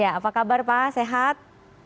apa kabar pak sehat